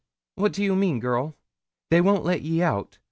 What do you mean, girl?' 'They won't let ye oot.